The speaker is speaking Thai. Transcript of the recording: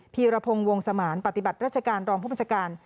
ีรพงศ์วงสมานปฏิบัติราชการรองผู้บัญชาการ